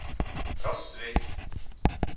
Rozsviť!